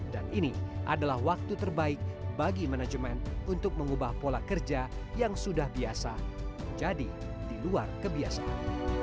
dan ini adalah waktu terbaik bagi manajemen untuk mengubah pola kerja yang sudah biasa menjadi di luar kebiasaan